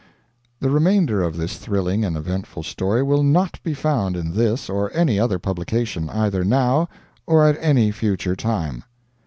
The remainder of this thrilling and eventful story will NOT be found in this or any other publication, either now or at any future time.